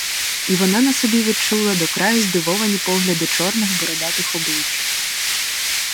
І вона на собі відчула до краю здивовані погляди чорних, бородатих облич.